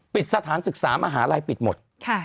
สถานศึกษามหาลัยปิดหมด